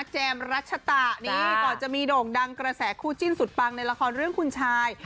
รัชตะนี่ก่อนจะมีโด่งดังกระแสคู่จิ้นสุดปังในละครเรื่องคุณชาย